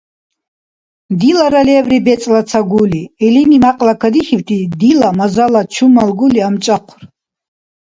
Дилара лебри бецӀла ца гули. Илини мякьла кадихьибти дила мазала чумал гули амчӀахъур.